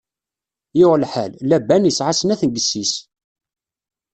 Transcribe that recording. Yuɣ lḥal, Laban isɛa snat n yessi-s.